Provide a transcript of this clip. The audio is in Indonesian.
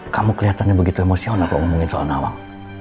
kamu kelihatannya begitu emosional kalau ngomongin soal nawang